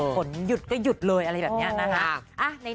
หยุดก็หยุดเลยอะไรแบบนี้นะคะ